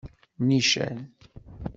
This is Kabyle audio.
Nican.